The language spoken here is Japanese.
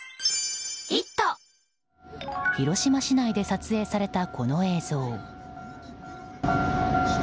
広島市内で撮影されたこの映像。